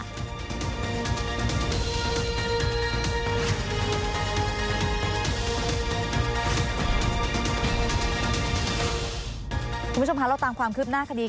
คุณผู้ชมคะเราตามความคืบหน้าคดี